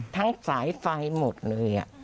ทั้งสายไฟหมดเลย